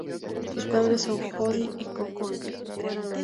Sus padres son Jody y Coco Angel.